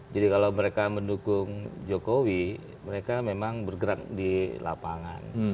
jadi kalau mereka mendukung jokowi mereka memang bergerak di lapangan